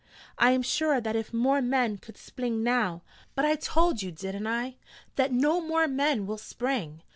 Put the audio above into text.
I am sure that if more men could spling now ' 'But I told you, didn't I, that no more men will spring?